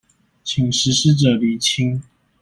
請實施者釐清